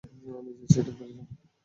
নিজের সিটে ফিরে যাও!